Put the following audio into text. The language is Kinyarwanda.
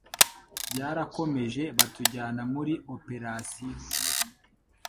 byarakomeje batujyana muri Opération